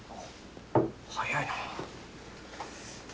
早いな。